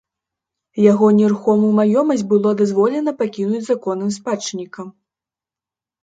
Яго нерухомую маёмасць было дазволена пакінуць законным спадчыннікам.